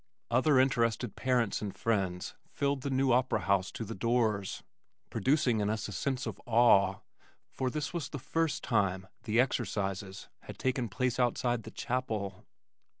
Other interested parents and friends filled the New Opera House to the doors, producing in us a sense of awe for this was the first time the "Exercises" had taken place outside the chapel.